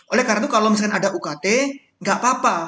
oleh karena itu kalau misalkan ada ukt nggak apa apa